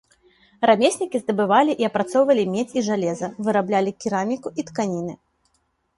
Рамеснікі здабывалі і апрацоўвалі медзь і жалеза, выраблялі кераміку і тканіны.